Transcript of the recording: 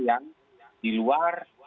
yang di luar